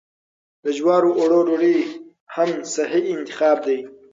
د جوارو اوړو ډوډۍ هم صحي انتخاب دی.